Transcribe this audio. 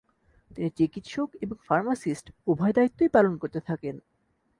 তিনি চিকিৎসক এবং ফার্মাসিস্ট - উভয় দায়িত্বই পালন করতে থাকেন।